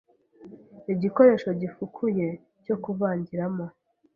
Igikoresho gifukuye cyo kuvangiramo